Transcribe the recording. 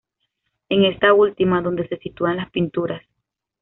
Es en esta última donde se sitúan las pinturas.